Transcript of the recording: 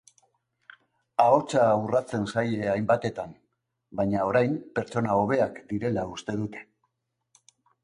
Ahotsa urratzen zaie hainbatetan, baina orain pertsona hobeak direla uste dute.